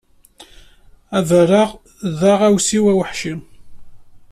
Abaraɣ d aɣersiw aweḥci.